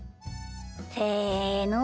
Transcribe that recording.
せの。